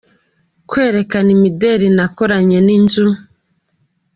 Kwerekana imideli nakoranye n’inzu.